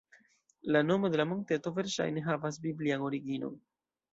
La nomo de la monteto verŝajne havas biblian originon.